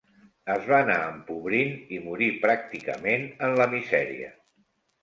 Es va anar empobrint i morí pràcticament en la misèria.